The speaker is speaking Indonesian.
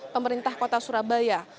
pemerintah kota surabaya